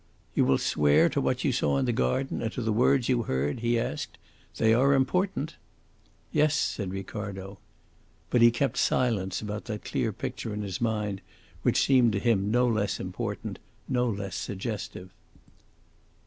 "You will swear to what you saw in the garden and to the words you heard?" he asked. "They are important." "Yes," said Ricardo. But he kept silence about that clear picture in his mind which to him seemed no less important, no less suggestive.